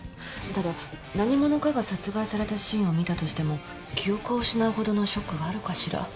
ただ何者かが殺害されたシーンを見たとしても記憶を失うほどのショックがあるかしら？